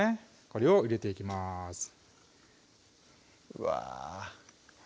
これを入れていきますうわ